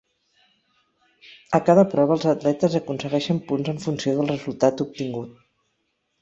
A cada prova els atletes aconsegueixen punts en funció del resultat obtingut.